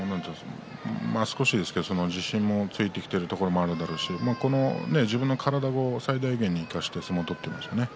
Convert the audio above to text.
自信も少しついているところもあるだろうし自分の体を最大限に生かして相撲を取っていますね。